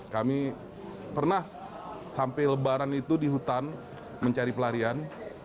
kami pernah sampai lebaran itu di hutan mencari pelarian